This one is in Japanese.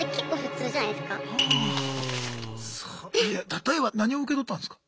例えば何を受け取ったんすか？